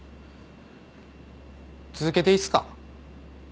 続けていいっすか？